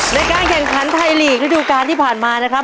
ในการแข่งขันไทยลีกระดูกาลที่ผ่านมานะครับ